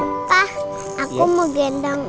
pak aku mau gendang